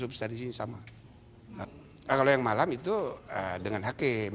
kalau yang malam itu dengan hakim